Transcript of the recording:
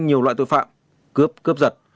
nhiều loại tội phạm cướp cướp giật